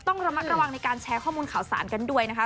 ต้องระมัดระวังในการแชร์ข้อมูลข่าวสารกันด้วยนะคะ